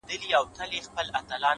سپوږمۍ له ځانه څخه ورکه نه شې”